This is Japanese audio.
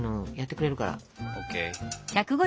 ＯＫ。